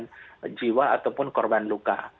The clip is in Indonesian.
korban jiwa ataupun korban luka